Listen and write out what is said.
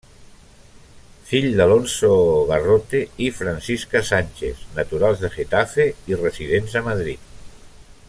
Fill d'Alonso Garrote i Francisca Sánchez, naturals de Getafe i residents a Madrid.